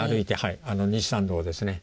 西参道ですね。